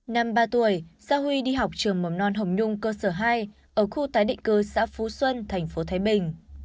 năm ba tuổi gia huy đi học trường mầm non hồng nhung cơ sở hai ở khu tái định cư xã phú xuân tp thái bình